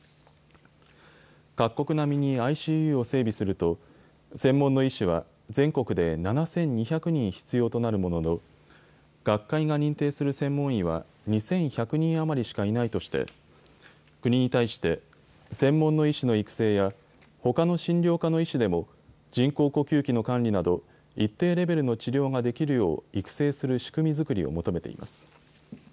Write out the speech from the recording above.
各国並みにＩＣＵを整備すると専門の医師は全国で７２００人必要となるものの学会が認定する専門医は２１００人余りしかいないとして国に対して専門の医師の育成やほかの診療科の医師でも人工呼吸器の管理など一定レベルの治療ができるよう育成する仕組み作りを求めています。